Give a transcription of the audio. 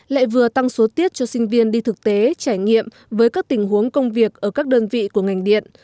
lại vừa tăng số tiết cho sinh viên đi thực tế trải nghiệm với các tình huống công việc ở các đơn vị của ngành điện